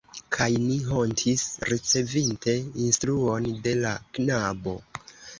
Kaj ni hontis, ricevinte instruon de la knabo.